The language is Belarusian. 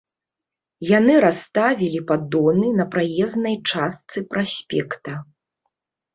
Яны расставілі паддоны на праезнай частцы праспекта.